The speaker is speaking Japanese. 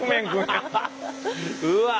うわ！